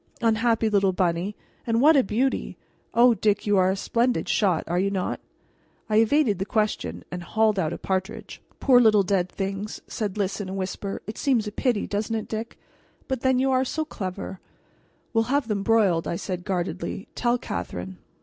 "Unhappy little bunny and what a beauty! O Dick, you are a splendid shot, are you not?" I evaded the question and hauled out a partridge. "Poor little dead things'" said Lys in a whisper; "it seems a pity doesn't it, Dick? But then you are so clever " "We'll have them broiled," I said guardedly, "tell Catherine."